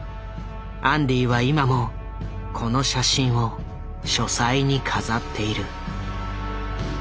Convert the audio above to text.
アンディは今もこの写真を書斎に飾っている。